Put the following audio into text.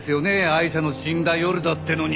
アイシャの死んだ夜だってのに。